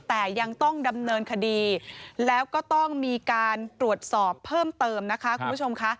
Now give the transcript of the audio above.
แต่ยังต้องดำเนินคดีแล้วก็ต้องมีการตรวจสอบเพิ่มเติมนะคะคุณผู้ชมค่ะ